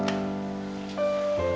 gak ada apa apa